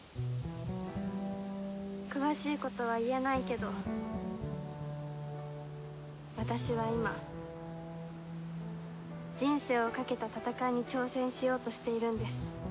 詳しいことは言えないけど私は今人生をかけた戦いに挑戦しようとしているんです。